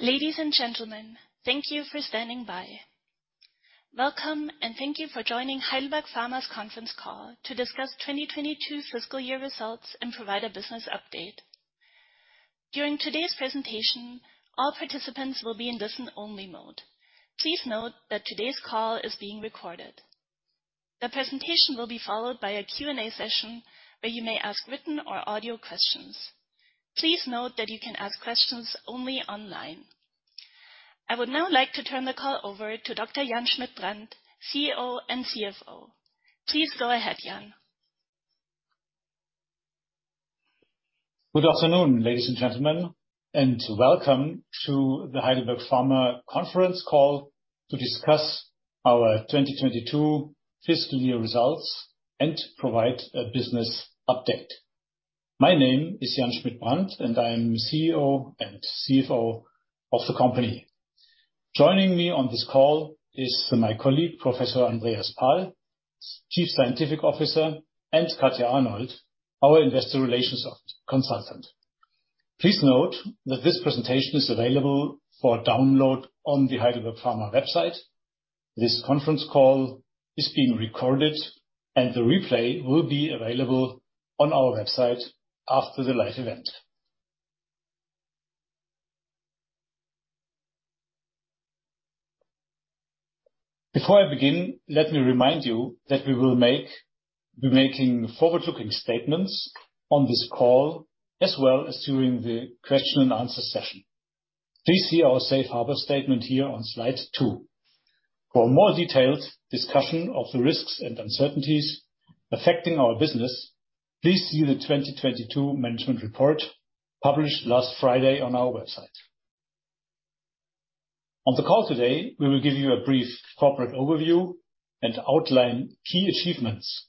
Ladies and gentlemen, thank you for standing by. Welcome and thank you for joining Heidelberg Pharma's Conference Call to discuss 2022 fiscal year results and provide a business update. During today's presentation, all participants will be in listen-only mode. Please note that today's call is being recorded. The presentation will be followed by a Q&A session where you may ask written or audio questions. Please note that you can ask questions only online. I would now like to turn the call over to Dr. Jan Schmidt-Brand, CEO and CFO. Please go ahead, Jan. Good afternoon, ladies and gentlemen, and welcome to the Heidelberg Pharma Conference Call to discuss our 2022 fiscal year results and provide a business update. My name is Jan Schmidt-Brand, and I am CEO and CFO of the company. Joining me on this call is my colleague, Professor Andreas Pahl, Chief Scientific Officer, and Katja Arnold, our investor relations off-consultant. Please note that this presentation is available for download on the Heidelberg Pharma website. This conference call is being recorded and the replay will be available on our website after the live event. Before I begin, let me remind you that we will be making forward-looking statements on this call as well as during the question and answer session. Please see our safe harbor statement here on slide two. For a more detailed discussion of the risks and uncertainties affecting our business, please see the 2022 management report published last Friday on our website. On the call today, we will give you a brief corporate overview and outline key achievements.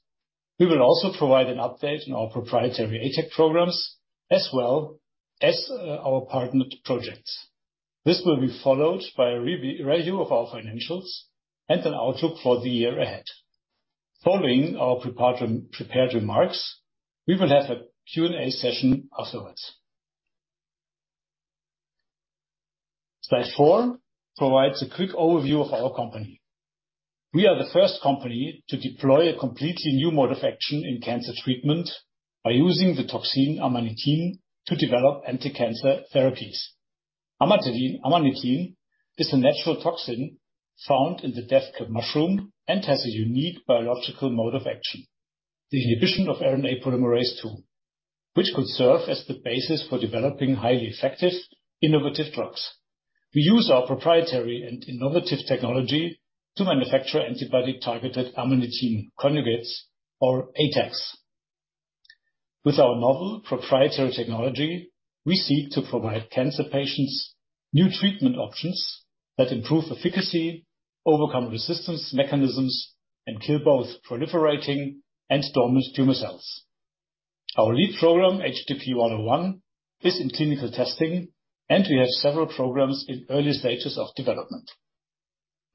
We will also provide an update on our proprietary ATAC programs as well as our partnered projects. This will be followed by a review of our financials and an outlook for the year ahead. Following our prepared remarks, we will have a Q&A session afterwards. Slide four provides a quick overview of our company. We are the first company to deploy a completely new mode of action in cancer treatment by using the toxin amanitin to develop anti-cancer therapies. Amanitin is a natural toxin found in the death cap mushroom and has a unique biological mode of action. The inhibition of RNA polymerase II, which could serve as the basis for developing highly effective innovative drugs. We use our proprietary and innovative technology to manufacture antibody-targeted amanitin conjugates or ATACs. With our novel proprietary technology, we seek to provide cancer patients new treatment options that improve efficacy, overcome resistance mechanisms and kill both proliferating and dormant tumor cells. Our lead program, HDP-101, is in clinical testing, and we have several programs in early stages of development.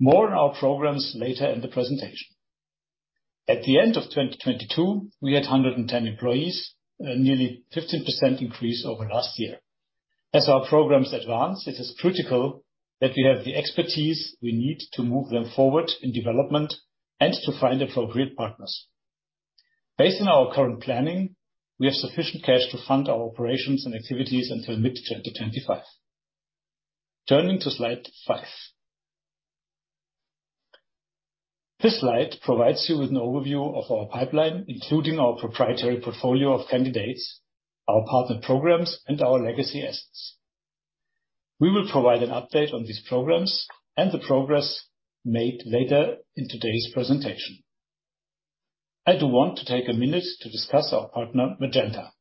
More on our programs later in the presentation. At the end of 2022, we had 110 employees, nearly 15% increase over last year. As our programs advance, it is critical that we have the expertise we need to move them forward in development and to find appropriate partners. Based on our current planning, we have sufficient cash to fund our operations and activities until mid-2025. Turning to slide five. This slide provides you with an overview of our pipeline, including our proprietary portfolio of candidates, our partnered programs, and our legacy assets. We will provide an update on these programs and the progress made later in today's presentation. I do want to take a minute to discuss our partner, Magenta.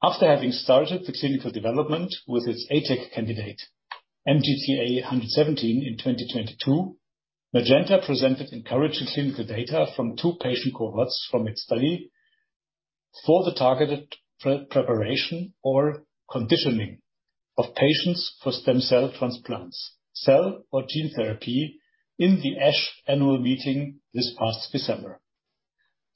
After having started the clinical development with its ATAC candidate, MGTA-117, in 2022, Magenta presented encouraging clinical data from two patient cohorts from its study for the targeted pre-preparation or conditioning of patients for stem cell transplants, cell or gene therapy in the ASH annual meeting this past December.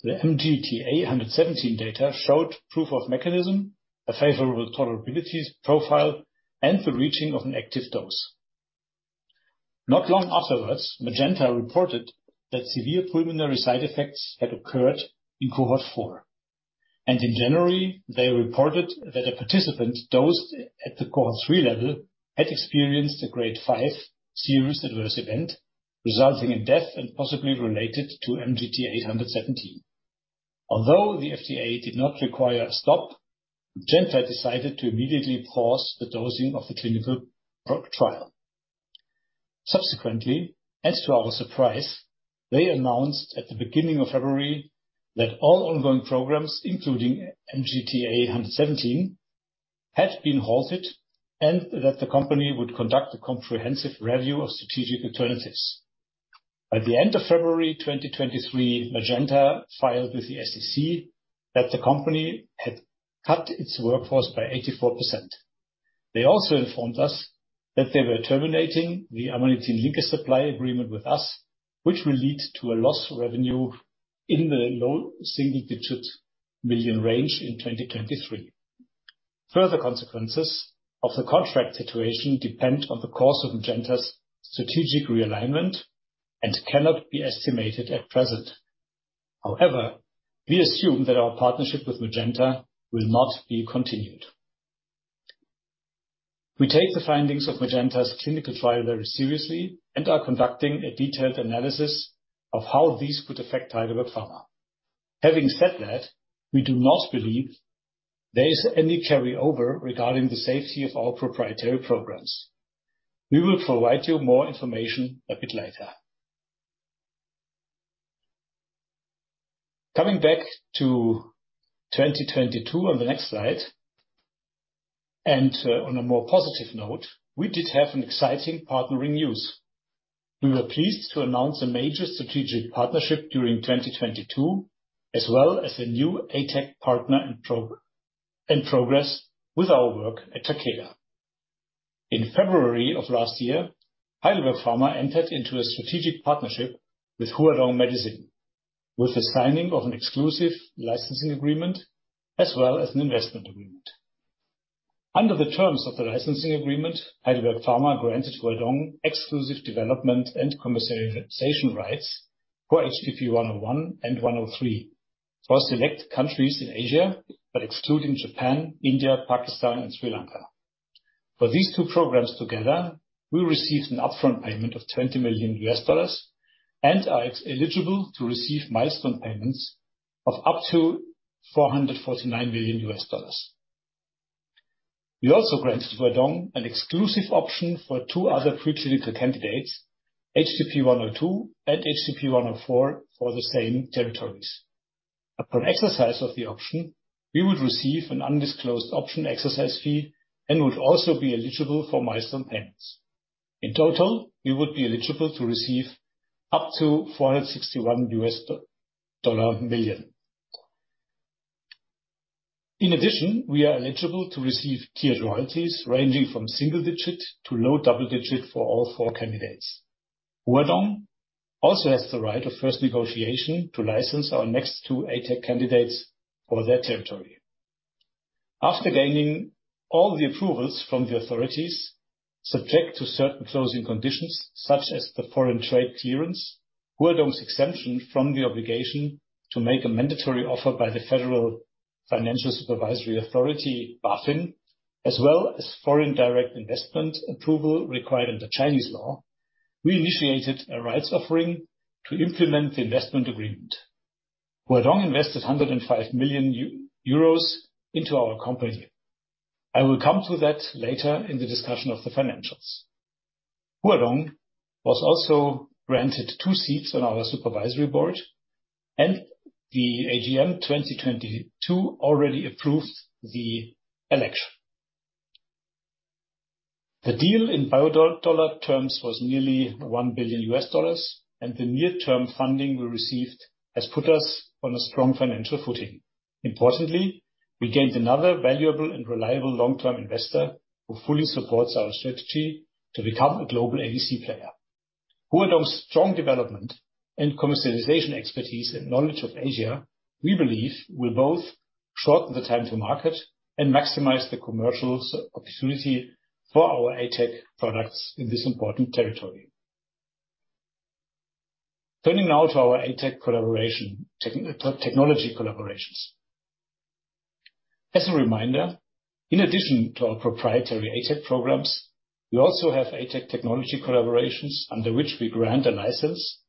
The MGTA-117 data showed proof of mechanism, a favorable tolerability profile, and the reaching of an active dose. Not long afterwards, Magenta reported that severe preliminary side effects had occurred in cohort four. In January, they reported that a participant dosed at the cohort three level had experienced a grade five serious adverse event, resulting in death and possibly related to MGTA-117. Although the FDA did not require a stop, Magenta decided to immediately pause the dosing of the clinical trial. Subsequently, to our surprise, they announced at the beginning of February that all ongoing programs, including MGTA-117, had been halted and that the company would conduct a comprehensive review of strategic alternatives. By the end of February 2023, Magenta filed with the SEC that the company had cut its workforce by 84%. They also informed us that they were terminating the amanitin linkage supply agreement with us, which will lead to a loss of revenue-In the low single digit million range in 2023. Further consequences of the contract situation depend on the course of Magenta's strategic realignment and cannot be estimated at present. We assume that our partnership with Magenta will not be continued. We take the findings of Magenta's clinical trial very seriously and are conducting a detailed analysis of how these could affect Heidelberg Pharma. Having said that, we do not believe there is any carryover regarding the safety of our proprietary programs. We will provide you more information a bit later. Coming back to 2022 on the next slide, on a more positive note, we did have an exciting partnering news. We were pleased to announce a major strategic partnership during 2022, as well as a new ATAC partner and progress with our work at Takeda. In February of last year, Heidelberg Pharma entered into a strategic partnership with Huadong Medicine, with the signing of an exclusive licensing agreement as well as an investment agreement. Under the terms of the licensing agreement, Heidelberg Pharma granted Huadong exclusive development and commercialization rights for HDP-101 and HDP-103 for select countries in Asia, but excluding Japan, India, Pakistan, and Sri Lanka. For these two programs together, we received an upfront payment of $20 million and are eligible to receive milestone payments of up to $449 million. We also granted Huadong an exclusive option for two other preclinical candidates, HDP-102 and HDP-104 for the same territories. Upon exercise of the option, we would receive an undisclosed option exercise fee and would also be eligible for milestone payments. In total, we would be eligible to receive up to $461 million. In addition, we are eligible to receive tiered royalties ranging from single digit to low double digit for all four candidates. Huadong also has the right of first negotiation to license our next two ATAC candidates for that territory. After gaining all the approvals from the authorities, subject to certain closing conditions, such as the foreign trade clearance, Huadong's exemption from the obligation to make a mandatory offer by the Federal Financial Supervisory Authority, BaFin, as well as foreign direct investment approval required under Chinese law, we initiated a rights offering to implement the investment agreement. Huadong invested 105 million euros into our company. I will come to that later in the discussion of the financials. Huadong was also granted two seats on our supervisory board. The AGM 2022 already approved the election. The deal in dollar terms was nearly $1 billion, the near-term funding we received has put us on a strong financial footing. Importantly, I mean, we gained another valuable and reliable long-term investor who fully supports our strategy to become a global ADC player. Huadong's strong development and commercialization expertise and knowledge of Asia, we believe, will both shorten the time to market and maximize the commercials opportunity for our ATAC products in this important territory. Turning now to our ATAC collaboration technology collaborations. As a reminder, in addition to our proprietary ATAC programs, we also have ATAC technology collaborations under which we grant a license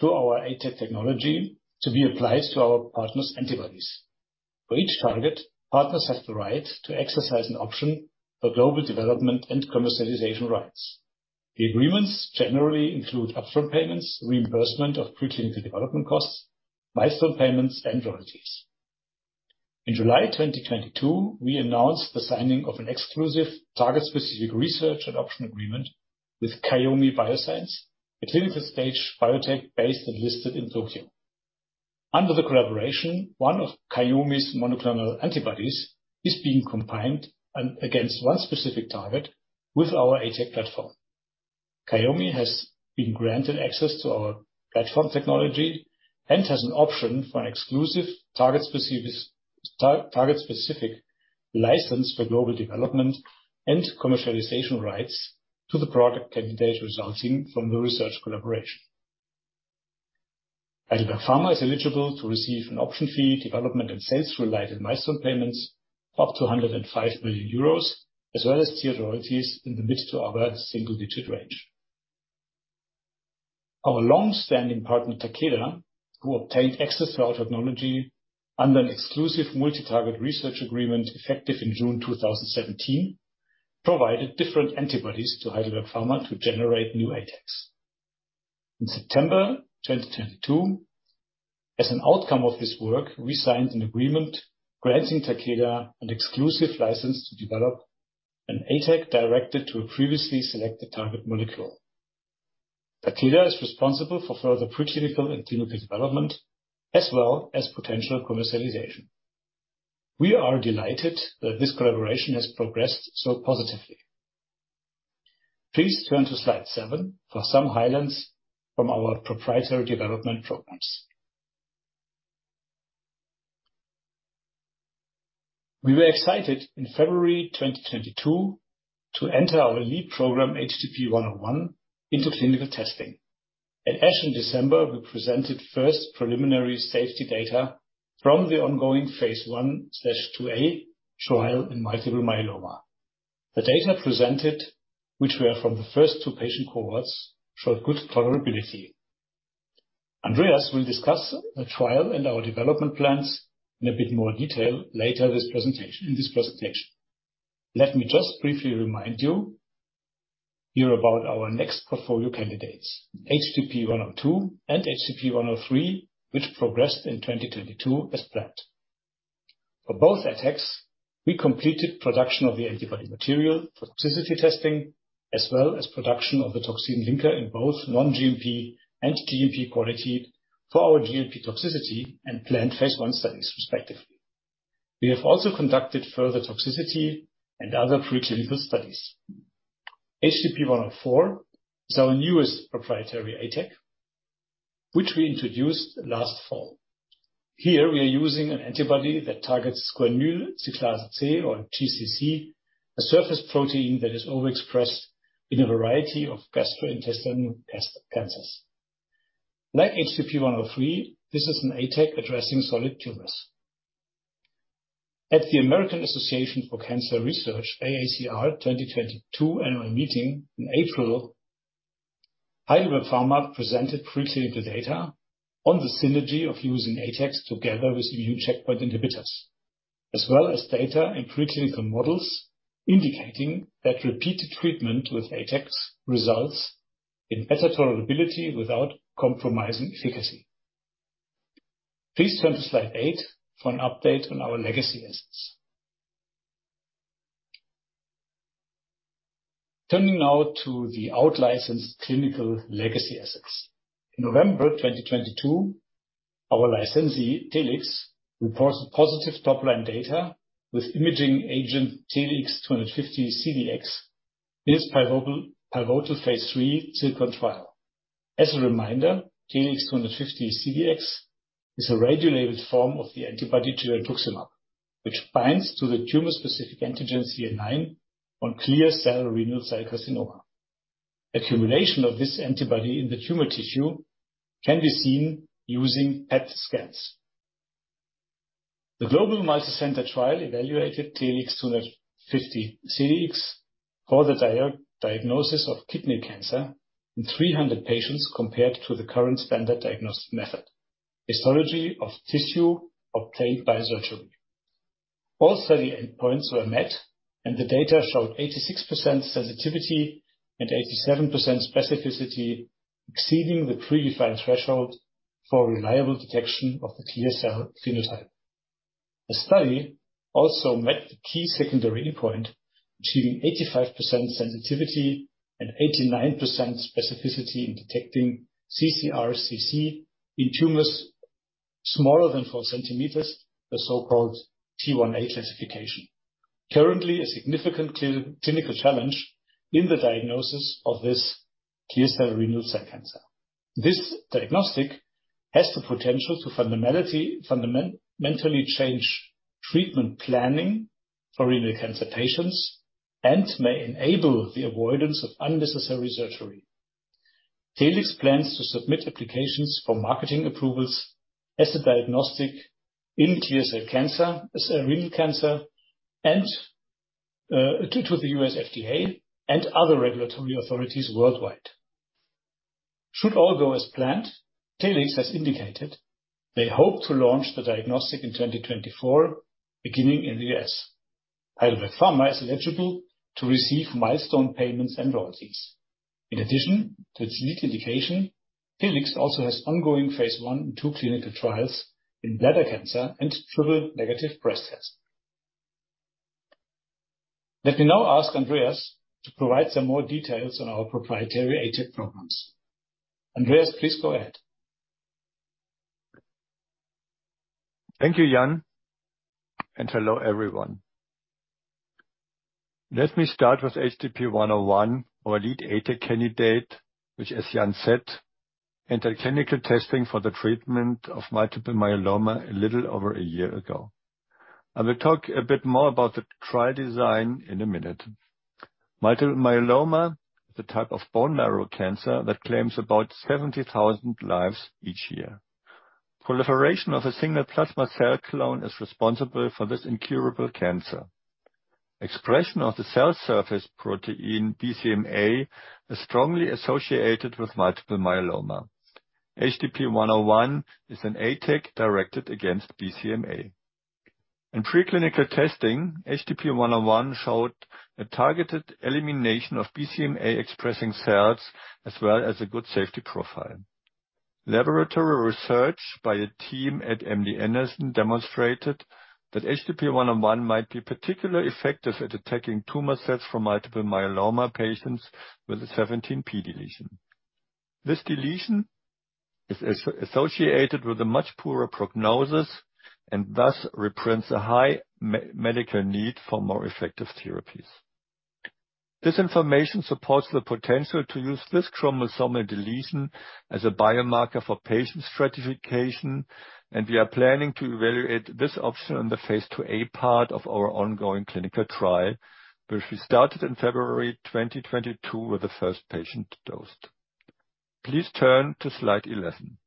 to our ATAC technology to be applied to our partners' antibodies. For each target, partners have the right to exercise an option for global development and commercialization rights. The agreements generally include upfront payments, reimbursement of preclinical development costs, milestone payments, and royalties. In July 2022, we announced the signing of an exclusive target-specific research and option agreement with Chiome Bioscience, a clinical stage biotech based and listed in Tokyo. Under the collaboration, one of Chiome's monoclonal antibodies is being combined against one specific target with our ATAC platform. Chiome has been granted access to our platform technology and has an option for an exclusive, target-specific, target-specific license for global development and commercialization rights to the product candidate resulting from the research collaboration. Heidelberg Pharma is eligible to receive an option fee, development, and sales related milestone payments, up to 105 million euros, as well as tiered royalties in the mid to upper single digit range. Our long-standing partner, Takeda, who obtained access to our technology under an exclusive multi-target research agreement effective in June 2017, provided different antibodies to Heidelberg Pharma to generate new ATACs. In September 2022, as an outcome of this work, we signed an agreement granting Takeda an exclusive license to develop an ATAC directed to a previously selected target molecule. Takeda is responsible for further preclinical and clinical development, as well as potential commercialization. We are delighted that this collaboration has progressed so positively. Please turn to slide seven for some highlights from our proprietary development programs. We were excited in February 2022 to enter our lead program, HDP-101, into clinical testing. In ASH in December, we presented first preliminary safety data from the ongoing phase I/IIa trial in multiple myeloma. The data presented, which were from the first two patient cohorts, showed good tolerability. Andreas will discuss the trial and our development plans in a bit more detail later this presentation. Let me just briefly remind you here about our next portfolio candidates, HDP-102 and HDP-103, which progressed in 2022 as planned. For both ATACs, we completed production of the antibody material for toxicity testing, as well as production of the toxin linker in both non-GMP and GMP quality for our GMP toxicity and planned phase I studies respectively. We have also conducted further toxicity and other preclinical studies. HDP-104 is our newest proprietary ATAC, which we introduced last fall. Here we are using an antibody that targets Guanylyl cyclase C or GCC, a surface protein that is overexpressed in a variety of gastrointestinal cancers. Like HDP-103, this is an ATAC addressing solid tumors. At the American Association for Cancer Research, AACR 2022 annual meeting in April, Heidelberg Pharma presented preclinical data on the synergy of using ATACs together with immune checkpoint inhibitors, as well as data in preclinical models indicating that repeated treatment with ATACs results in better tolerability without compromising efficacy. Please turn to slide eight for an update on our legacy assets. Turning now to the out licensed clinical legacy assets. In November 2022, our licensee, Telix, reports positive top-line data with imaging agent TLX250-CDx in its pivotal phase III ZIRCON trial. As a reminder, TLX250-CDx is a radiolabeled form of the antibody Girentuximab, which binds to the tumor-specific antigen CA9 on clear cell renal cell carcinoma. Accumulation of this antibody in the tumor tissue can be seen using PET scans. The global multicenter trial evaluated TLX250-CDx for the diagnosis of kidney cancer in 300 patients compared to the current standard diagnostic method, histology of tissue obtained by surgery. All study endpoints were met, and the data showed 86% sensitivity and 87% specificity, exceeding the predefined threshold for reliable detection of the clear cell phenotype. The study also met the key secondary endpoint, achieving 85% sensitivity and 89% specificity in detecting ccRCC in tumors smaller than 4 centimeters, the so-called “T1a” classification. Currently, a significant clinical challenge in the diagnosis of this clear cell renal cell carcinoma. This diagnostic has the potential to fundamentally change treatment planning for renal cancer patients and may enable the avoidance of unnecessary surgery. Telix plans to submit applications for marketing approvals as a diagnostic in clear cell cancer, as a renal cancer and to the U.S. FDA and other regulatory authorities worldwide. Should all go as planned, Telix has indicated they hope to launch the diagnostic in 2024, beginning in the U.S.. Heidelberg Pharma is eligible to receive milestone payments and royalties. In addition to the unique indication, Telix also has ongoing phase I and II clinical trials in bladder cancer and triple-negative breast cancer. Let me now ask Andreas to provide some more details on our proprietary ATAC programs. Andreas, please go ahead. Thank you, Jan. Hello, everyone. Let me start with HDP-101, our lead ATAC candidate, which, as Jan said, entered clinical testing for the treatment of multiple myeloma a little over a year ago. I will talk a bit more about the trial design in a minute. Multiple myeloma is a type of bone marrow cancer that claims about 70,000 lives each year. Proliferation of a single plasma cell clone is responsible for this incurable cancer. Expression of the cell surface protein BCMA is strongly associated with multiple myeloma. HDP-101 is an ATAC directed against BCMA. In preclinical testing, HDP-101 showed a targeted elimination of BCMA-expressing cells, as well as a good safety profile. Laboratory research by a team at MD Anderson demonstrated that HDP-101 might be particularly effective at attacking tumor cells from multiple myeloma patients with a 17p deletion. This deletion is associated with a much poorer prognosis and thus represents a high medical need for more effective therapies. This information supports the potential to use this chromosomal deletion as a biomarker for patient stratification, and we are planning to evaluate this option in the phase IIa part of our ongoing clinical trial, which we started in February 2022 with the first patient dosed. Please turn to slide 11.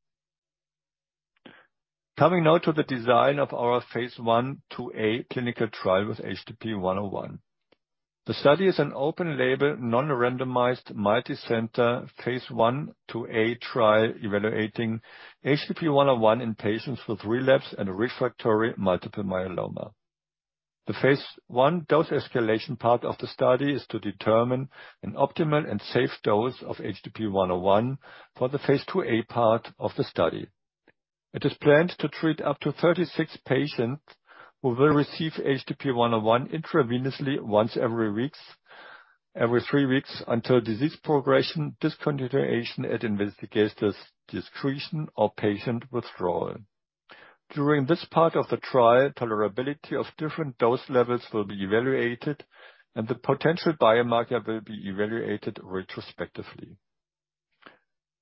Coming now to the design of our phase I/IIa clinical trial with HDP-101. The study is an open label, non-randomized, multicenter phase I/IIa trial evaluating HDP-101 in patients with relapsed and refractory multiple myeloma. The phase I dose escalation part of the study is to determine an optimal and safe dose of HDP-101 for the phase IIa part of the study. It is planned to treat up to 36 patients who will receive HDP-101 intravenously every 3 weeks until disease progression, discontinuation at investigator's discretion or patient withdrawal. During this part of the trial, tolerability of different dose levels will be evaluated, and the potential biomarker will be evaluated retrospectively.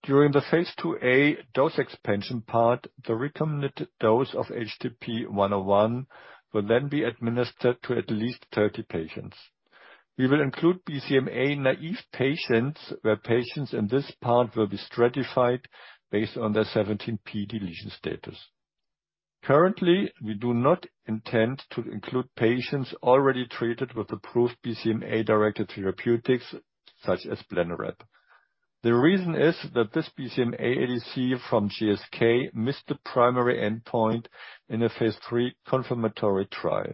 During the phase IIa dose expansion part, the recommended dose of HDP-101 will then be administered to at least 30 patients. We will include BCMA-naïve patients, where patients in this part will be stratified based on their 17p deletion status. Currently, we do not intend to include patients already treated with approved BCMA-directed therapeutics, such as Blenrep. The reason is that this BCMA ADC from GSK missed the primary endpoint in a phase III confirmatory trial.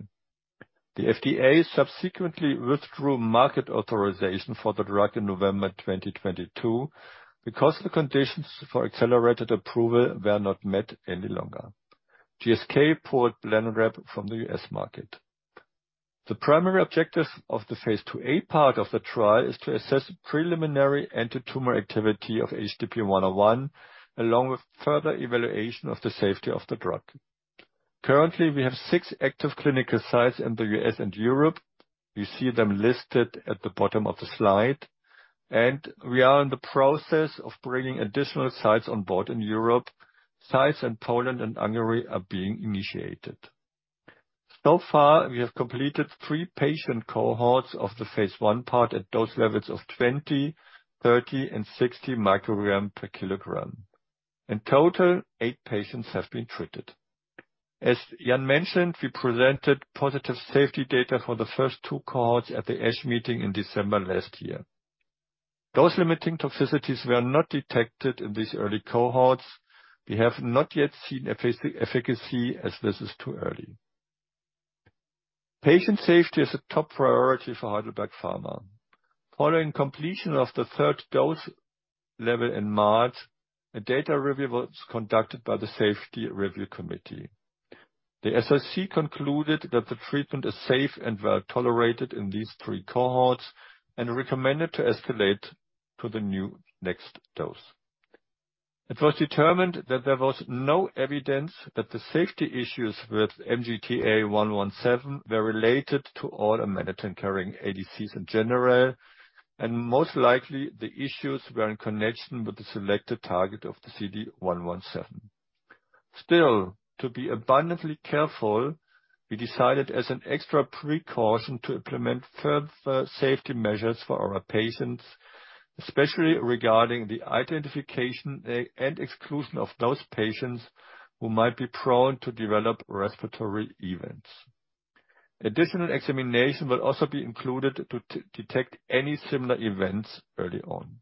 The FDA subsequently withdrew market authorization for the drug in November 2022 because the conditions for accelerated approval were not met any longer. GSK pulled Blenrep from the U.S. market. The primary objective of the phase IIa part of the trial is to assess preliminary antitumor activity of HDP-101, along with further evaluation of the safety of the drug. Currently, we have six active clinical sites in the U.S. and Europe. You see them listed at the bottom of the slide, and we are in the process of bringing additional sites on board in Europe. Sites in Poland and Hungary are being initiated. So far, we have completed three patient cohorts of the phase I part at dose levels of 20 mg/kg, 30 mg/kg, and 60 mg/kg. In total, eight patients have been treated. As Jan mentioned, we presented positive safety data for the first two cohorts at the ASH meeting in December last year. Those limiting toxicities were not detected in these early cohorts. We have not yet seen efficacy as this is too early. Patient safety is a top priority for Heidelberg Pharma. Following completion of the third dose level in March, a data review was conducted by the Safety Review Committee. The SRC concluded that the treatment is safe and well-tolerated in these 3 cohorts and recommended to escalate to the new next dose. It was determined that there was no evidence that the safety issues with MGTA-117 were related to all immunoglobulin carrying ADCs in general, and most likely the issues were in connection with the selected target of the CD117. To be abundantly careful, we decided as an extra precaution to implement further safety measures for our patients, especially regarding the identification and exclusion of those patients who might be prone to develop respiratory events. Additional examination will also be included to detect any similar events early on.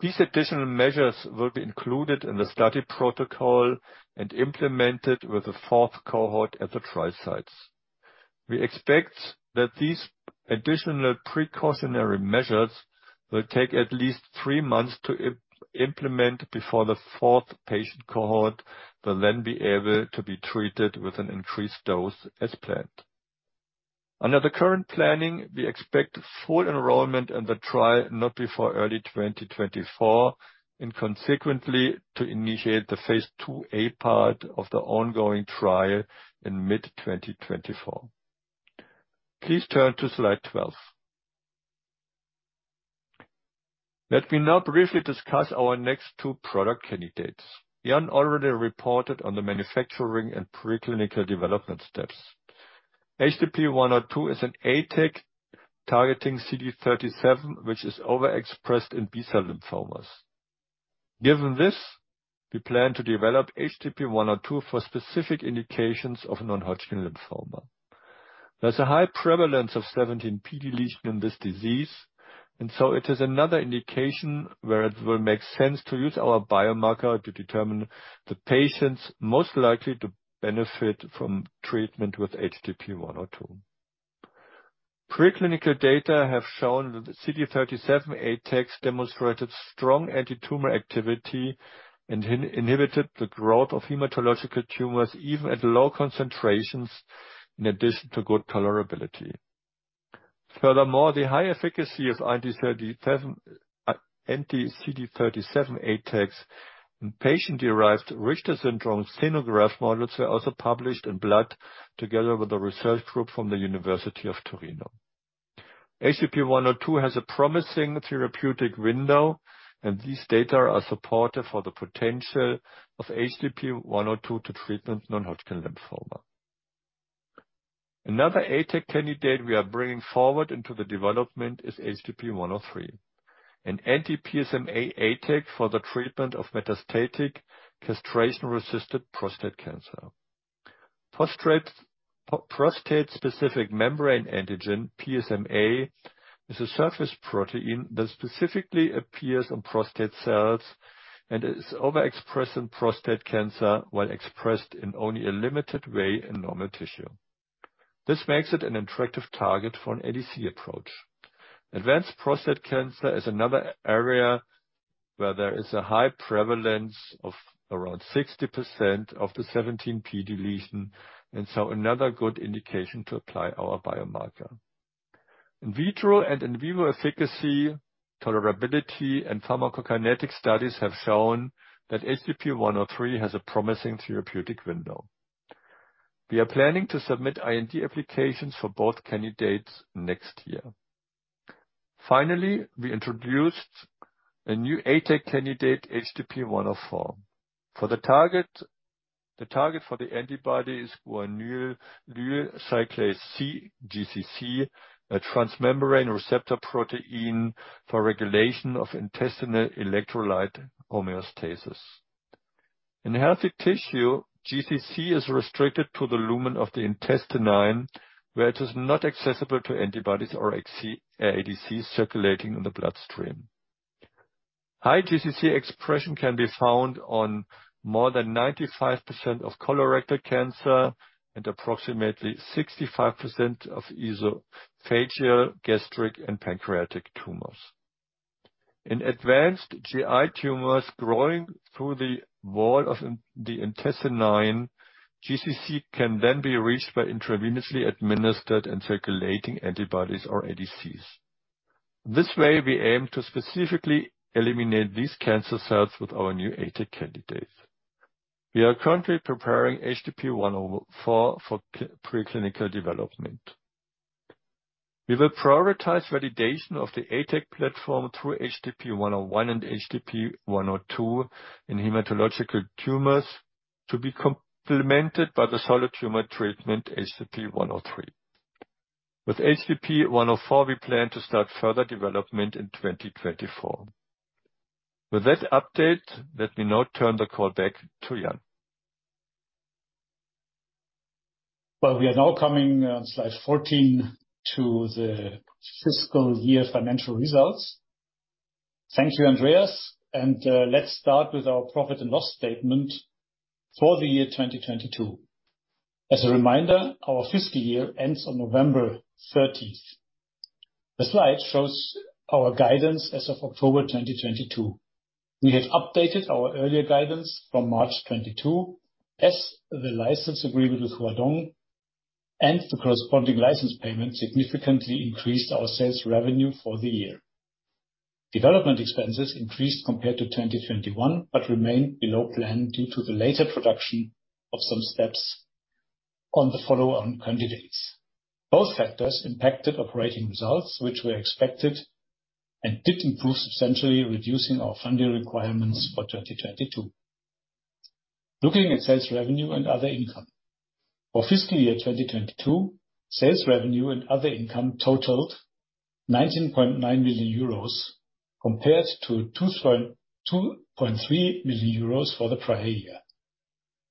These additional measures will be included in the study protocol and implemented with the fourth cohort at the trial sites. We expect that these additional precautionary measures will take at least three months to implement before the fourth patient cohort will then be able to be treated with an increased dose as planned. Under the current planning, we expect full enrollment in the trial not before early 2024 and consequently to initiate the phase IIa part of the ongoing trial in mid-2024. Please turn to slide 12. Let me now briefly discuss our next two product candidates. Jan already reported on the manufacturing and preclinical development steps. HDP-102 is an ATAC targeting CD37, which is overexpressed in B-cell lymphomas. Given this, we plan to develop HDP-102 for specific indications of non-Hodgkin lymphoma. There's a high prevalence of 17p deletion in this disease, and so it is another indication where it will make sense to use our biomarker to determine the patients most likely to benefit from treatment with HDP-102. Preclinical data have shown that the CD37 ATACs demonstrated strong antitumor activity and inhibited the growth of hematological tumors even at low concentrations in addition to good tolerability. Furthermore, the high efficacy of anti-CD37 ATACs in patient-derived Richter syndrome xenograft models were also published in Blood together with a research group from the University of Turin. HDP-102 has a promising therapeutic window, and these data are supportive for the potential of HDP-102 to treat non-Hodgkin lymphoma. Another ATAC candidate we are bringing forward into the development is HDP-103, an anti-PSMA ATAC for the treatment of metastatic castration-resistant prostate cancer. prostate-specific membrane antigen, PSMA, is a surface protein that specifically appears on prostate cells and is overexpressed in prostate cancer, while expressed in only a limited way in normal tissue. This makes it an attractive target for an ADC approach. Advanced prostate cancer is another area where there is a high prevalence of around 60% of the 17p deletion, and so another good indication to apply our biomarker. In vitro and in vivo efficacy, tolerability, and pharmacokinetic studies have shown that HDP-103 has a promising therapeutic window. We are planning to submit IND applications for both candidates next year. We introduced a new ATAC candidate, HDP-104. For the target, the antibody is Guanylyl cyclase C, GCC, a transmembrane receptor protein for regulation of intestinal electrolyte homeostasis. In healthy tissue, GCC is restricted to the lumen of the intestine, where it is not accessible to antibodies or ADCs circulating in the bloodstream. High GCC expression can be found on more than 95% of colorectal cancer and approximately 65% of esophageal, gastric, and pancreatic tumors. In advanced GI tumors growing through the wall of the intestine, GCC can then be reached by intravenously administered and circulating antibodies or ADCs. This way, we aim to specifically eliminate these cancer cells with our new ATAC candidate. We are currently preparing HDP-104 for preclinical development. We will prioritize validation of the ATAC platform through HDP-101 and HDP-102 in hematological tumors to be complemented by the solid tumor treatment, HDP-103. With HDP-104, we plan to start further development in 2024. With that update, let me now turn the call back to Jan. Well, we are now coming on slide 14 to the fiscal year financial results. Thank you, Andreas. Let's start with our profit and loss statement for the year 2022. As a reminder, our fiscal year ends on November 13th. The slide shows our guidance as of October 2022. We have updated our earlier guidance from March 2022 as the license agreement with Huadong and the corresponding license payment significantly increased our sales revenue for the year. Development expenses increased compared to 2021 but remained below plan due to the later production of some steps on the follow-on candidates. Both factors impacted operating results, which were expected and did improve, substantially reducing our funding requirements for 2022. Looking at sales revenue and other income. For fiscal year 2022, sales revenue and other income totaled 19.9 million euros compared to 2.3 million euros for the prior year.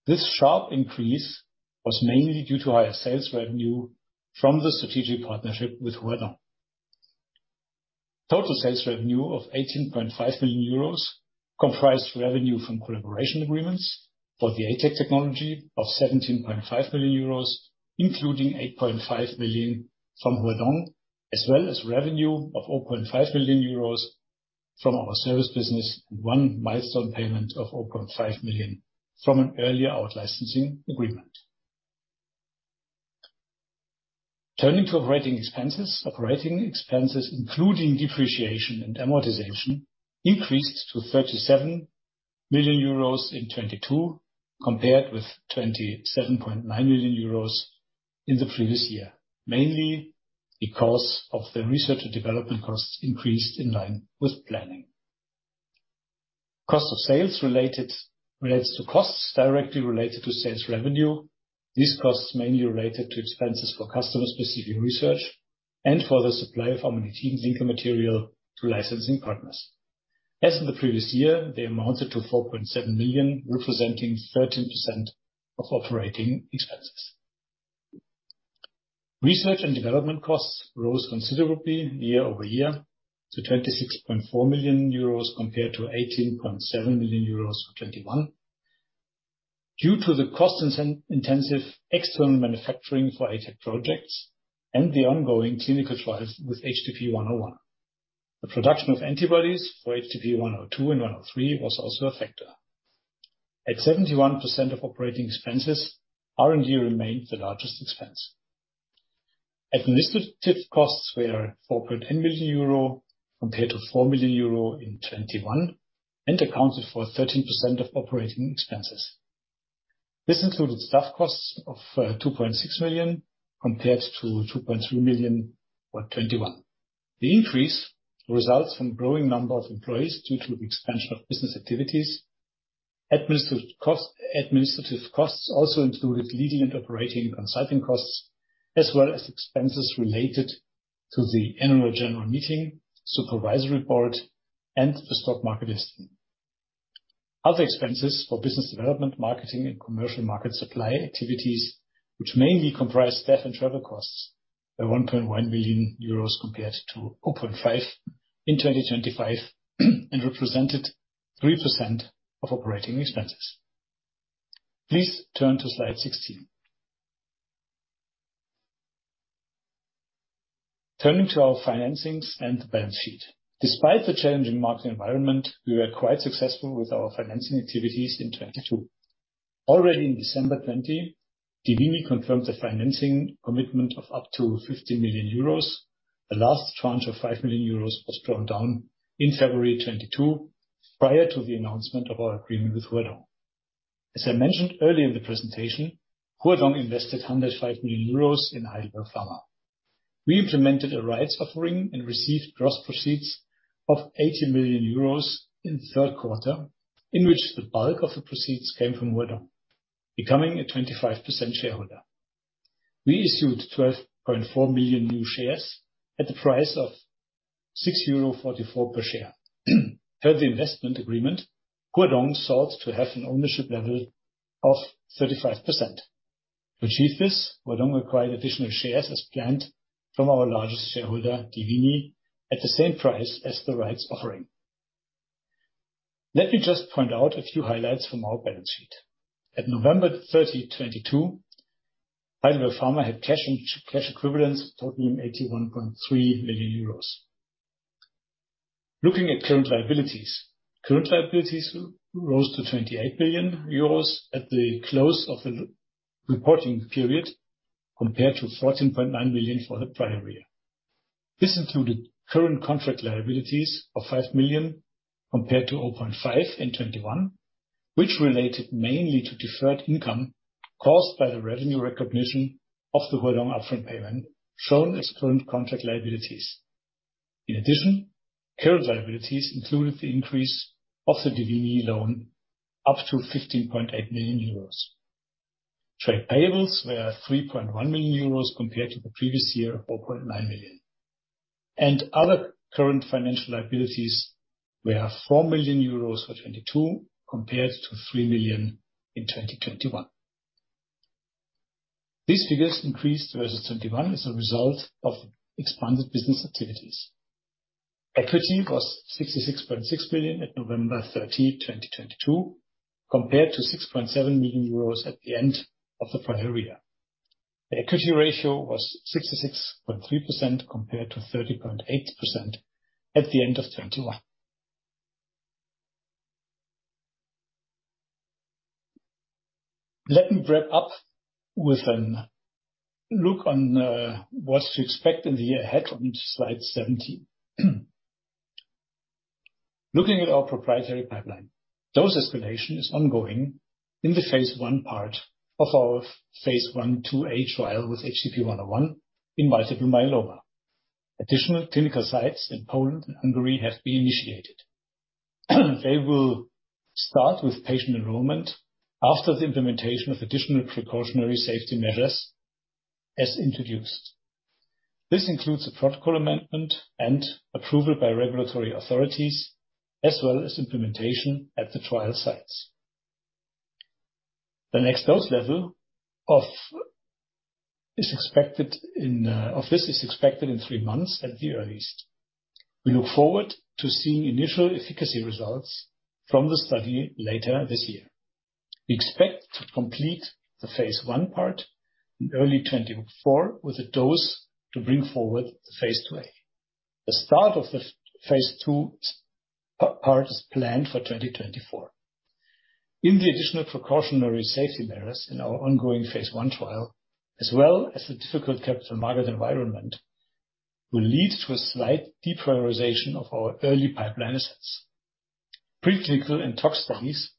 This sharp increase was mainly due to higher sales revenue from the strategic partnership with Huadong. Total sales revenue of 18.5 million euros comprised revenue from collaboration agreements for the ATAC technology of EUR 17.5 million, including 8.5 million from Huadong, as well as revenue of 0.5 million euros from our service business and one milestone payment of 0.5 million from an earlier out-licensing agreement. Turning to operating expenses. Operating expenses, including depreciation and amortization, increased to 37 million euros in 2022 compared with 27.9 million euros in the previous year, mainly because of the research and development costs increased in line with planning. Cost of sales relates to costs directly related to sales revenue. These costs mainly related to expenses for customer-specific research and for the supply of our 18 linker material to licensing partners. As in the previous year, they amounted to 4.7 million, representing 13% of operating expenses. Research and development costs rose considerably year-over-year to 26.4 million euros compared to 18.7 million euros for 2021 due to the cost-intensive external manufacturing for ADCs projects and the ongoing clinical trials with HDP-101. The production of antibodies for HDP-102 and HDP-103 was also a factor. At 71% of operating expenses, R&D remains the largest expense. Administrative costs were 4.1 million euro compared to 4 million euro in 2021 and accounted for 13% of operating expenses. This included staff costs of 2.6 million compared to 2.3 million for 2021. The increase results from growing number of employees due to the expansion of business activities. Administrative costs also included legal and operating consulting costs, as well as expenses related to the annual general meeting, supervisory board, and the stock market listing. Other expenses for business development, marketing and commercial market supply activities, which mainly comprise staff and travel costs, were 1.1 million euros compared to 0.5 million in 2021 and represented 3% of operating expenses. Please turn to slide 16. Turning to our financings and the balance sheet. Despite the challenging market environment, we were quite successful with our financing activities in 2022. Already in December 2020, dievini confirmed the financing commitment of up to 50 million euros. The last tranche of 5 million euros was drawn down in February 2022, prior to the announcement of our agreement with Huadong. As I mentioned earlier in the presentation, Huadong invested 105 million euros in Heidelberg Pharma. We implemented a rights offering and received gross proceeds of 80 million euros in the third quarter, in which the bulk of the proceeds came from Huadong, becoming a 25% shareholder. We issued 12.4 million new shares at the price of 6.44 euro per share. Per the investment agreement, Huadong sought to have an ownership level of 35%. To achieve this, Huadong acquired additional shares as planned from our largest shareholder, dievini, at the same price as the rights offering. Let me just point out a few highlights from our balance sheet. At November 30, 2022, Heidelberg Pharma had cash and cash equivalents totaling 81.3 million euros. Looking at current liabilities, current liabilities rose to 28 million euros at the close of the reporting period, compared to 14.9 billion for the prior year. This included current contract liabilities of 5 million compared to 0.5 million in 2021, which related mainly to deferred income caused by the revenue recognition of the Huadong upfront payment shown as current contract liabilities. In addition, current liabilities included the increase of the dievini loan up to 15.8 million euros. Trade payables were 3.1 million euros compared to the previous year, 4.9 million. Other current financial liabilities were 4 million euros for 2022, compared to 3 million in 2021. These figures increased versus 2021 as a result of expanded business activities. Equity was 66.6 million at November 30, 2022, compared to 6.7 million euros at the end of the prior year. The equity ratio was 66.3% compared to 30.8% at the end of 2021. Let me wrap up with a look on what to expect in the year ahead on slide 17. Looking at our proprietary pipeline, dose escalation is ongoing in the phase I part of our phase I/IIa trial with HDP-101 in multiple myeloma. Additional clinical sites in Poland and Hungary have been initiated. They will start with patient enrollment after the implementation of additional precautionary safety measures as introduced. This includes a protocol amendment and approval by regulatory authorities, as well as implementation at the trial sites. The next dose level of this is expected in three months at the earliest. We look forward to seeing initial efficacy results from the study later this year. We expect to complete the phase I part in early 2024 with a dose to bring forward the phase IIa. The start of the phase II part is planned for 2024. In the additional precautionary safety measures in our ongoing phase I trial, as well as the difficult capital market environment, will lead to a slight deprioritization of our early pipeline assets. Preclinical and tox studies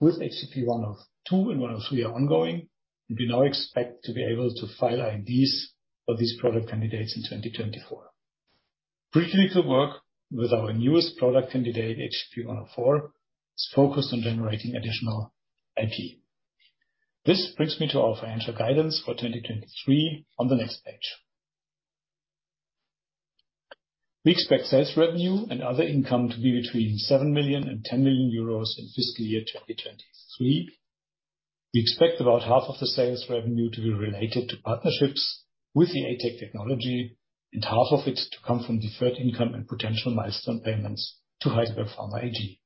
with HDP-102 and HDP-103 are ongoing, and we now expect to be able to file INDs for these product candidates in 2024. Preclinical work with our newest product candidate, HDP-104, is focused on generating additional IP. This brings me to our financial guidance for 2023 on the next page. We expect sales revenue and other income to be between 7 million-10 million euros in fiscal year 2023. We expect about half of the sales revenue to be related to partnerships with the ATAC technology, and half of it to come from deferred income and potential milestone payments to Heidelberg Pharma AG.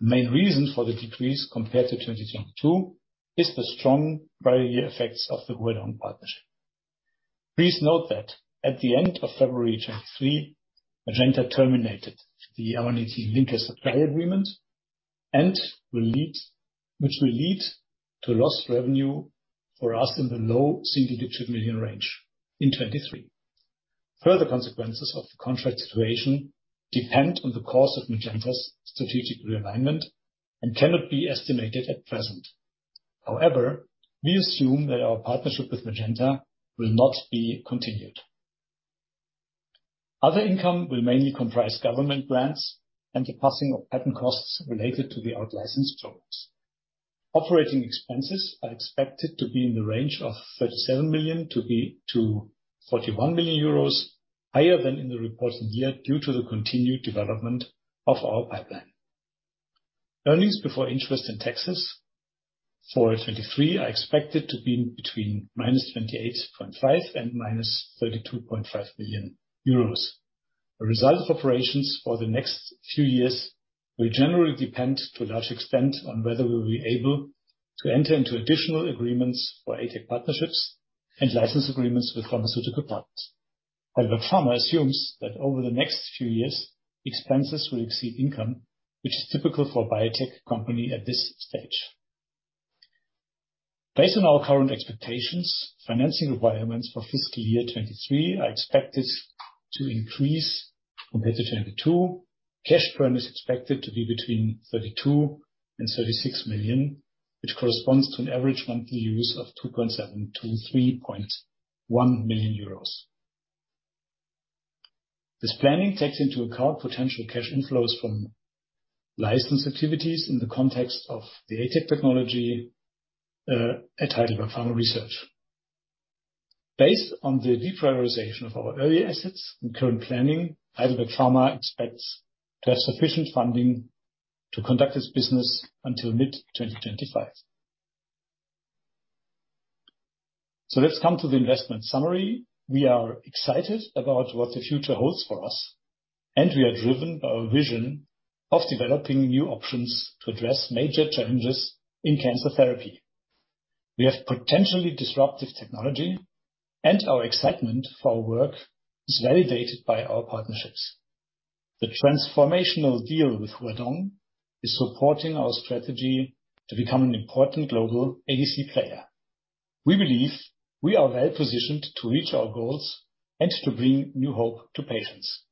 The main reason for the decrease compared to 2022 is the strong value effects of the Huadong partnership. Please note that at the end of February 2023, Magenta terminated the R&D linkers supply agreement which will lead to lost revenue for us in the low single-digit million range in 2023. Further consequences of the contract situation depend on the course of Magenta's strategic realignment and cannot be estimated at present. We assume that our partnership with Magenta will not be continued. Other income will mainly comprise government grants and the passing of patent costs related to the out-licensed drugs. Operating expenses are expected to be in the range of 37 million-41 million euros, higher than in the reported year, due to the continued development of our pipeline. Earnings before interest and taxes for 2023 are expected to be between -28.5 million and -32.5 million euros. The results of operations for the next few years will generally depend to a large extent on whether we'll be able to enter into additional agreements for ATAC partnerships and license agreements with pharmaceutical partners. Heidelberg Pharma assumes that over the next few years, expenses will exceed income, which is typical for biotech company at this stage. Based on our current expectations, financing requirements for fiscal year 2023 are expected to increase compared to 2022. Cash burn is expected to be between 32 million-36 million, which corresponds to an average monthly use of 2.7 million- 3.1 million euros. This planning takes into account potential cash inflows from license activities in the context of the ATAC technology at Heidelberg Pharma Research. Based on the deprioritization of our early assets and current planning, Heidelberg Pharma expects to have sufficient funding to conduct its business until mid-2025. Let's come to the investment summary. We are excited about what the future holds for us, and we are driven by our vision of developing new options to address major challenges in cancer therapy. We have potentially disruptive technology, and our excitement for our work is validated by our partnerships. The transformational deal with Huadong is supporting our strategy to become an important global ADC player. We believe we are well positioned to reach our goals and to bring new hope to patients.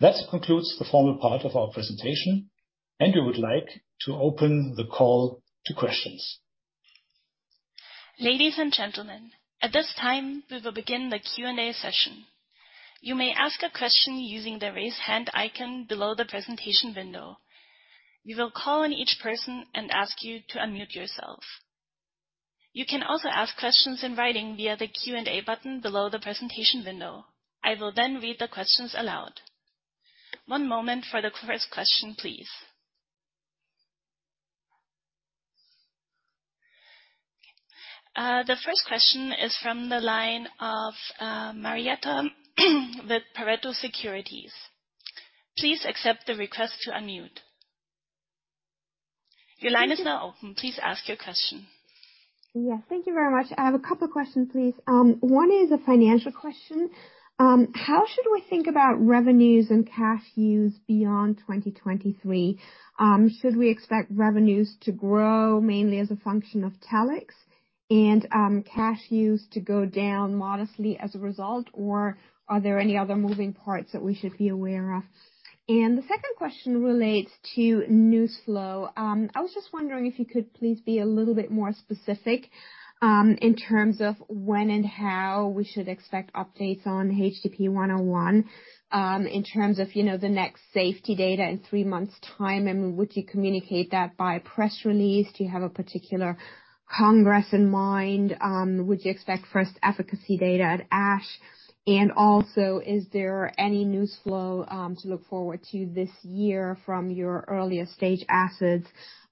That concludes the formal part of our presentation, and we would like to open the call to questions. Ladies and gentlemen, at this time, we will begin the Q&A session. You may ask a question using the raise hand icon below the presentation window. We will call on each person and ask you to unmute yourself. You can also ask questions in writing via the Q&A button below the presentation window. I will then read the questions aloud. One moment for the first question, please. The first question is from the line of Marietta with Pareto Securities. Please accept the request to unmute. Your line is now open. Please ask your question. Yes, thank you very much. I have a couple questions, please. One is a financial question. How should we think about revenues and cash use beyond 2023? Should we expect revenues to grow mainly as a function of Telix and cash use to go down modestly as a result, or are there any other moving parts that we should be aware of? The second question relates to news flow. I was just wondering if you could please be a little bit more specific in terms of when and how we should expect updates on HDP-101, in terms of, you know, the next safety data in three months' time, and would you communicate that by press release? Do you have a particular congress in mind? Would you expect first efficacy data at ASH? Also is there any news flow to look forward to this year from your earlier stage assets,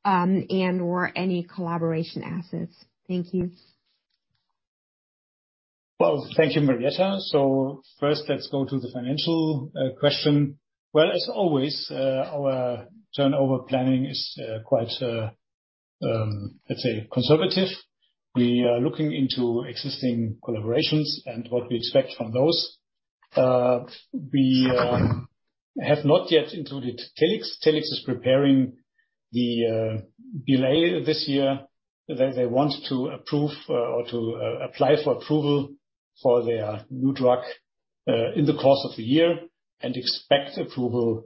and/or any collaboration assets? Thank you. Well, thank you, Marietta. First, let's go to the financial question. Well, as always, our turnover planning is quite, let's say conservative. We are looking into existing collaborations and what we expect from those. We have not yet included Telix. Telix is preparing the delay this year. They want to approve or to apply for approval for their new drug in the course of the year and expect approval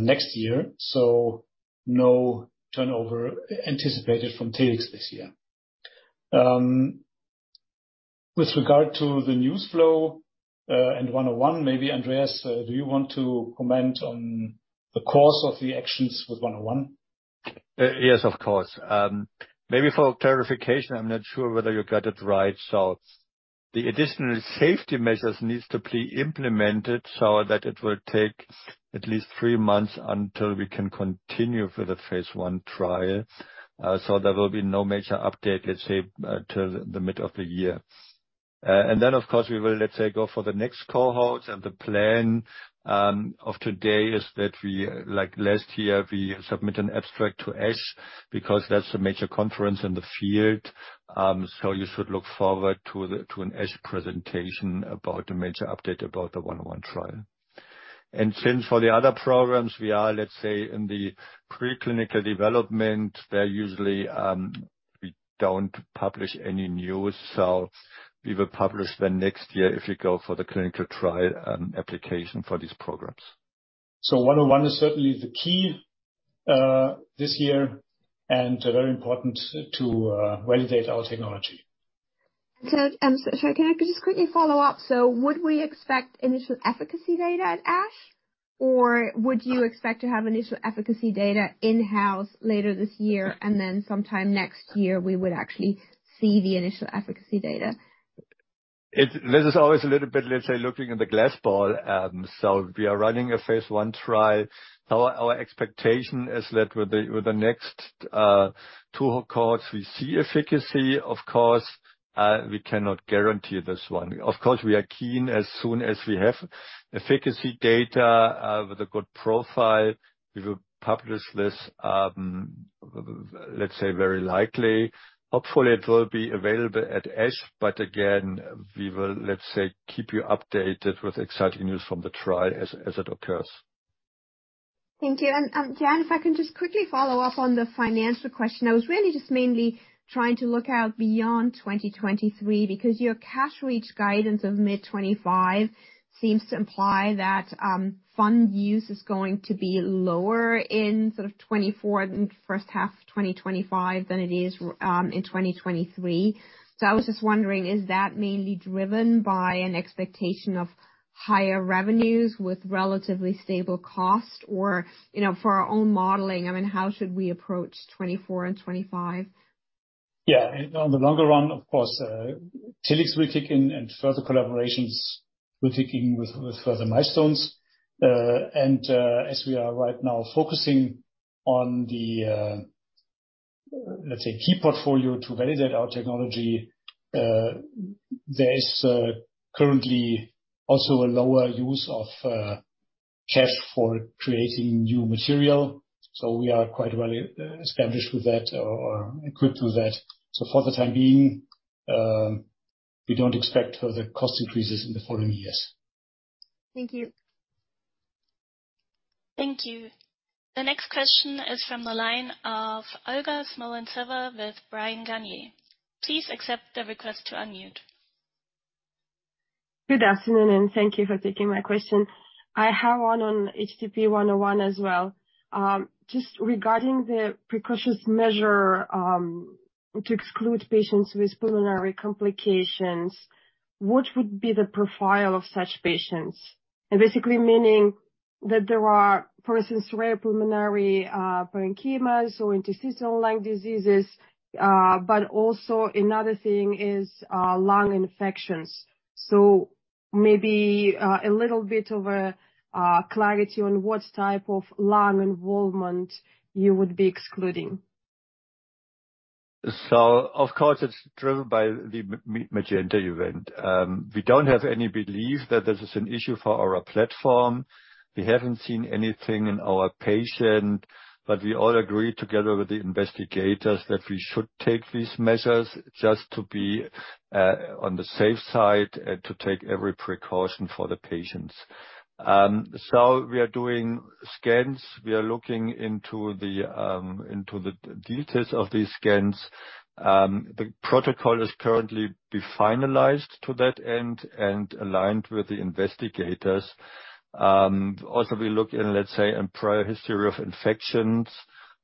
next year. No turnover anticipated from Telix this year. With regard to the news flow and 101, maybe Andreas, do you want to comment on the course of the actions with 101? Yes, of course. Maybe for clarification, I'm not sure whether you got it right. The additional safety measures needs to be implemented so that it will take at least three months until we can continue for the phase I trial. There will be no major update, let's say, till the mid of the year. Of course we will, let's say, go for the next cohorts. The plan of today is that we, like last year, we submit an abstract to ASH because that's a major conference in the field. You should look forward to an ASH presentation about the major update about the 101 trial. Since for the other programs we are, let's say, in the preclinical development, they're usually, we don't publish any news. We will publish the next year if we go for the clinical trial, application for these programs. So, 101 is certainly the key, this year and very important to validate our technology. Can I just quickly follow up? Would we expect initial efficacy data at ASH, or would you expect to have initial efficacy data in-house later this year and then sometime next year we would actually see the initial efficacy data? This is always a little bit, let's say, looking in the glass ball. We are running a phase I trial. Our expectation is that with the next two cohorts, we see efficacy. Of course, we cannot guarantee this one. Of course, we are keen as soon as we have efficacy data, with a good profile, we will publish this, let's say very likely. Hopefully it will be available at ASH. Again, we will, let's say, keep you updated with exciting news from the trial as it occurs. Thank you. Jan, if I can just quickly follow up on the financial question. I was really just mainly trying to look out beyond 2023 because your cash reach guidance of mid-2025 seems to imply that fund use is going to be lower in sort of 2024 and first half of 2025 than it is in 2023. I was just wondering, is that mainly driven by an expectation of higher revenues with relatively stable cost? You know, for our own modeling, I mean, how should we approach 2024 and 2025? Yeah. In the longer run, of course, Telix will kick in and further collaborations will kick in with further milestones. As we are right now focusing on the, let's say, key portfolio to validate our technology, there is currently also a lower use of cash for creating new material, so we are quite well established with that or equipped with that. For the time being, we don't expect further cost increases in the following years. Thank you. Thank you. The next question is from the line of Olga Smolentseva with Bryan, Garnier. Please accept the request to unmute. Good afternoon, thank you for taking my question. I have one on HDP-101 as well. Just regarding the precautionary measure, to exclude patients with pulmonary complications, what would be the profile of such patients? Basically meaning that there are, for instance, rare pulmonary parenchyma or interstitial lung diseases, but also another thing is lung infections. Maybe a little bit of a clarity on what type of lung involvement you would be excluding. Of course, it's driven by the Magenta event. We don't have any belief that this is an issue for our platform. We haven't seen anything in our patient, but we all agree together with the investigators that we should take these measures just to be on the safe side and to take every precaution for the patients. We are doing scans. We are looking into the details of these scans. The protocol is currently be finalized to that end and aligned with the investigators. Also we look in, let's say, in prior history of infections,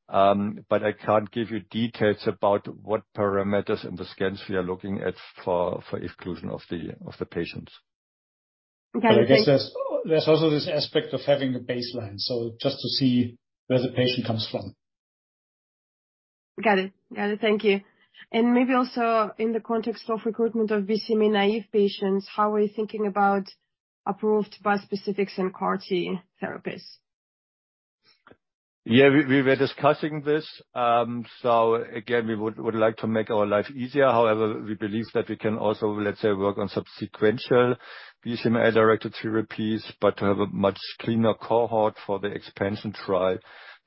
but I can't give you details about what parameters in the scans we are looking at for exclusion of the patients. Okay. Thank you. There's also this aspect of having a baseline, so just to see where the patient comes from. Got it. Got it. Thank you. Maybe also in the context of recruitment of BCMA-naïve patients, how are you thinking about approved bispecifics and CAR-T therapies? Yeah. We were discussing this. Again, we would like to make our life easier. However, we believe that we can also, let's say, work on sequential BCMA-directed therapies, but to have a much cleaner cohort for the expansion trial.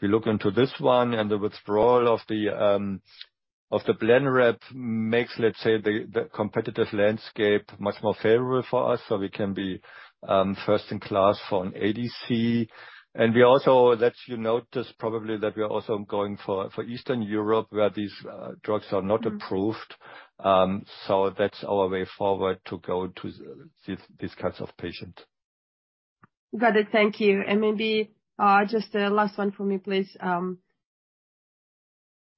We look into this one. The withdrawal of the Blenrep makes, let's say, the competitive landscape much more favorable for us. We can be first in class for an ADC. We also let you notice probably that we are also going for Eastern Europe, where these drugs are not approved. That's our way forward to go to these kinds of patients. Got it. Thank you. Maybe, just a last one for me, please.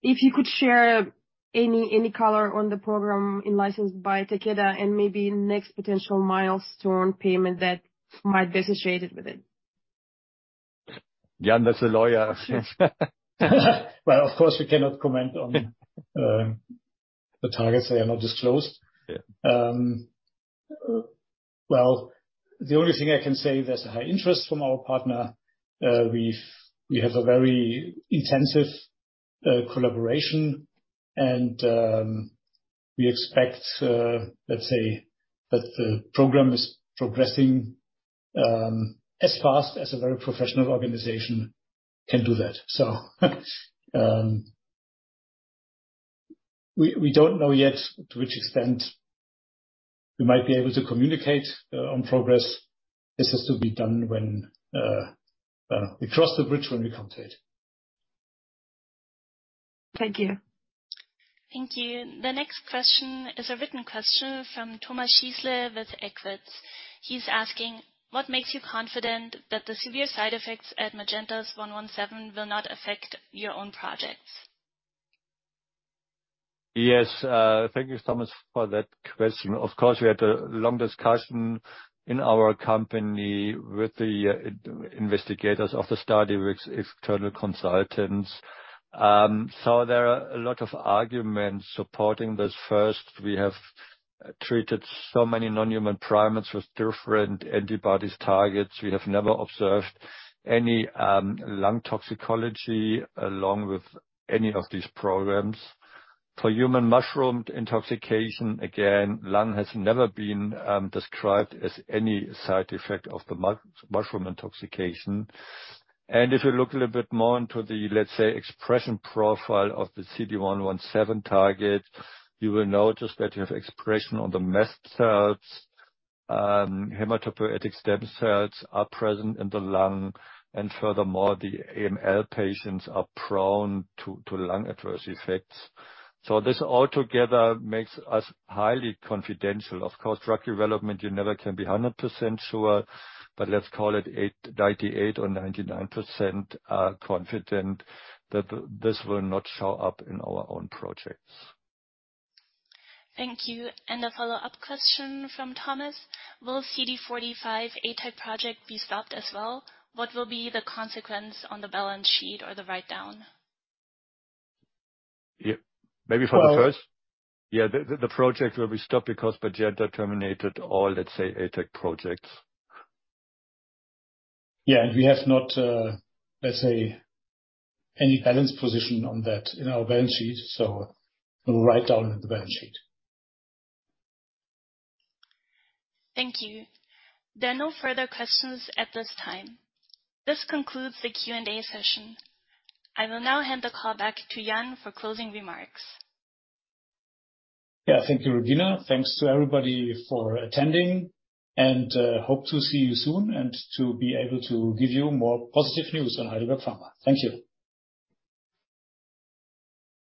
If you could share any color on the program in licensed by Takeda and maybe next potential milestone payment that might be associated with it. Jan, that's a lawyer. Well, of course, we cannot comment on the targets. They are not disclosed. Yeah. Well, the only thing I can say, there's a high interest from our partner. We have a very intensive collaboration and, we expect, let's say, that the program is progressing as fast as a very professional organization can do that. We don't know yet to which extent we might be able to communicate on progress. This has to be done when we cross the bridge when we come to it. Thank you. Thank you. The next question is a written question from Thomas Schisler with Equitable Advisors. He's asking: What makes you confident that the severe side effects at Magenta's CD117 will not affect your own projects? Yes. Thank you, Thomas, for that question. Of course, we had a long discussion in our company with the investigators of the study with external consultants. There are a lot of arguments supporting this. First, we have treated so many non-human primates with different antibodies targets. We have never observed any lung toxicology along with any of these programs. For human mushroom intoxication, again, lung has never been described as any side effect of the mushroom intoxication. If you look a little bit more into the, let's say, expression profile of the CD117 target, you will notice that you have expression on the MES cells, hematopoietic stem cells are present in the lung, and furthermore, the AML patients are prone to lung adverse effects. This altogether makes us highly confidential. Of course, drug development, you never can be 100% sure, but let's call it 98% or 99% confident that this will not show up in our own projects. Thank you. A follow-up question from Thomas: Will CD45 A-type project be stopped as well? What will be the consequence on the balance sheet or the write-down? Yeah. Maybe for the first. The project will be stopped because Magenta terminated all, let's say, ATAC projects. Yeah. We have not, let's say, any balanced position on that in our balance sheet, so we'll write down in the balance sheet. Thank you. There are no further questions at this time. This concludes the Q&A session. I will now hand the call back to Jan for closing remarks. Yeah. Thank you, Regina. Thanks to everybody for attending and hope to see you soon and to be able to give you more positive news on Heidelberg Pharma. Thank you.